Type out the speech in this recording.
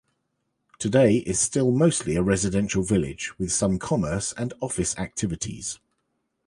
Today, it is still mostly a residential village, with some commerce and office activities.